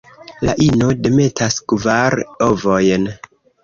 La ino demetas kvar ovojn.